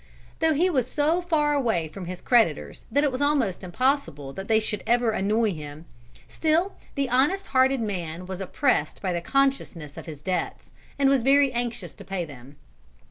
Though he was so far away from his creditors that it was almost impossible that they should ever annoy him, still the honest hearted man was oppressed by the consciousness of his debts, and was very anxious to pay them.